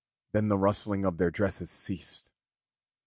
Then the rustling of their dresses ceased.